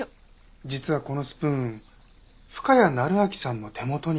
実はこのスプーン深谷成章さんの手元にあったんです。